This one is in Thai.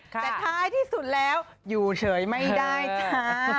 แต่ท้ายที่สุดแล้วอยู่เฉยไม่ได้จ้า